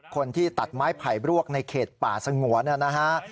คนที่ตัดไม้ไผ่บรวกในเขตป่าสงวนนะฮะ